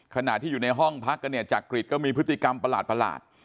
ขณะที่อยู่ในห้องพักกันเนี่ยจักริตก็มีพฤติกรรมประหลาด